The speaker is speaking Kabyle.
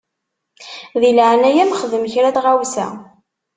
Di leɛnaya-m xdem kra n tɣawsa.